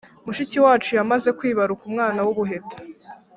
Mushiki wacu yamaze kwibaruka umwana w’ubuheta